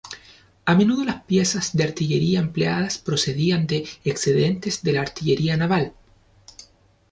A menudo las piezas de artillería empleadas procedían de excedentes de la artillería naval.